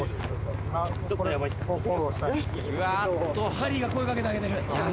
・ハリーが声掛けてあげてる。